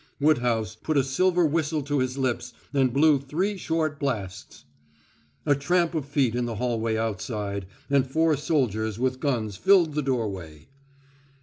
Woodhouse put a silver whistle to his lips and blew three short blasts. A tramp of feet in the hallway outside, and four soldiers with guns filled the doorway.